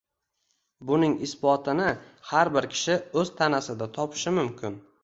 Buning isbotini har bir kishi o’z tanasida topishi mumkin.